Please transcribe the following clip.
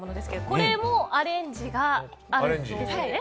これもアレンジがあるそうですね。